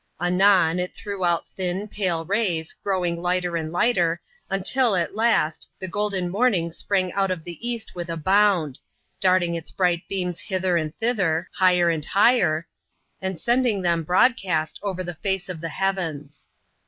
Anon, it threw out'thin, pale rays, growing lighter and lighter, until at last, the golden morning sprang out of the East with a bound — darting its bright beams hither and thither, higher and higher, and sending them, broadcast, over the face of the heavens.